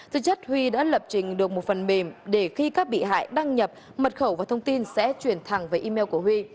thực chất huy đã lập trình được một phần mềm để khi các bị hại đăng nhập mật khẩu và thông tin sẽ chuyển thẳng về email của huy